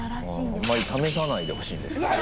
あんまり試さないでほしいんですけどね。